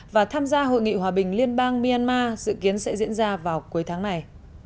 và tham gia hội nghị hòa bình liên bang myanmar dự kiến sẽ diễn ra vào cuối tháng này